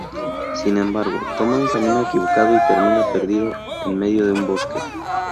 Sin embargo, toma un camino equivocado y termina perdido en medio de un bosque.